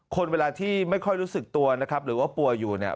คนเวลาที่ไม่ค่อยรู้สึกตัวนะครับหรือว่าป่วยอยู่เนี่ย